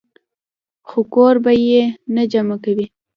خو کور به ئې نۀ جمع کوئ -